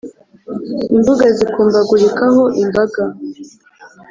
Imbuga zikumbagurikaho imbaga